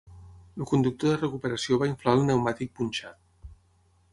El conductor de recuperació va inflar el pneumàtic punxat.